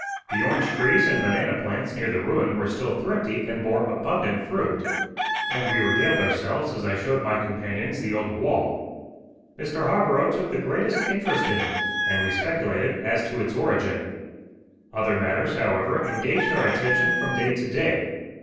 The orange trees and banana plants near the ruin were still thrifty and bore abundant fruit, and we regaled ourselves as I showed my companions the old wall. Mr. Harborough took the greatest interest in it, and we speculated as to its origin. Other matters, however, engaged our attention from day to day.